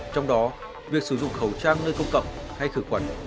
trong đó việc sử dụng khẩu trang nơi công cộng hay khử khuẩn